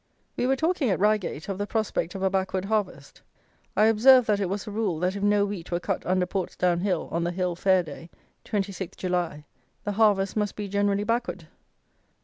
We were talking at Reigate of the prospect of a backward harvest. I observed that it was a rule that if no wheat were cut under Portsdown Hill on the hill fair day, 26th July, the harvest must be generally backward.